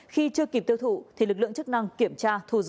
khi chưa kịp tiêu thụ thì lực lượng chức năng kiểm tra thu giữ